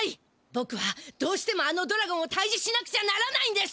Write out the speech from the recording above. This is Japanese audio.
ぼくはどうしてもあのドラゴンをたいじしなくちゃならないんです！